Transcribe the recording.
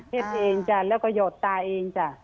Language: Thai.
เผ็ดเองจ้าแล้วก็หยดตาเองจ้า